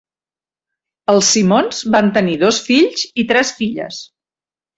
Els Simons van tenir dos fills i tres filles.